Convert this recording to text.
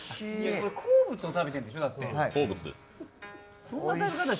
これ、好物食べてるんでしょ。